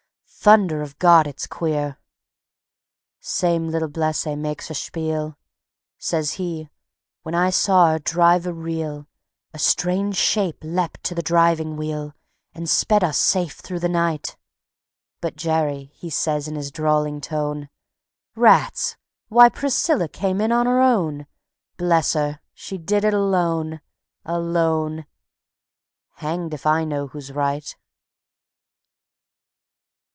Thunder of God! it's queer." Same little blessé makes a spiel; Says he: "When I saw our driver reel, A Strange Shape leapt to the driving wheel And sped us safe through the night." But Jerry, he says in his drawling tone: "Rats! Why, Priscilla came in on her own. Bless her, she did it alone, alone. ..." _Hanged if I know who's right.